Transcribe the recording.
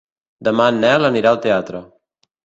Demà en Nel anirà al teatre.